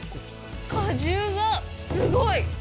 果汁がすごい。